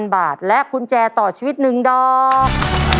๕๐๐๐บาทและคุณแจต่อชีวิตหนึ่งดอก